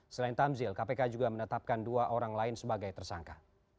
selain tamzil kpk juga menetapkan dua orang lain sebagai tersangka